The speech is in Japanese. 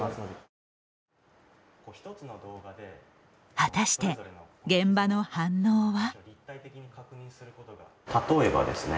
果たして現場の反応は？